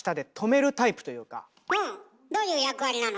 どういう役割なの？